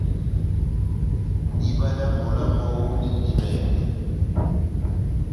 Diba dá mola mɔ́wu dindi vɛngɛ.